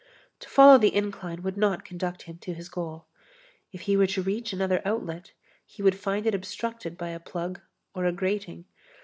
To follow the incline would not conduct him to his goal. If he were to reach another outlet, he would find it obstructed by a plug or a grating.